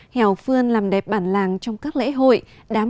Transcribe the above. hẻo phương làm đẹp bản làng trong các lễ hội đám cưới ngày chợ cầu mùa